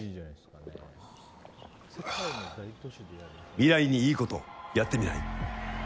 未来にいいことをやってみない？